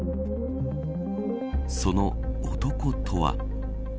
その男とは。